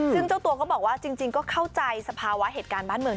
ซึ่งเจ้าตัวก็บอกว่าจริงก็เข้าใจสภาวะเหตุการณ์บ้านเมือง